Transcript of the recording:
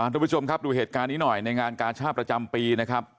ทุกผู้ชมครับดูเหตุการณ์นี้หน่อยในงานกาชาติประจำปีนะครับ